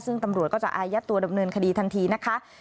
ซึ่งตำรวจก็จะอายัดตัวดำเนินคดีทันทีนะคะ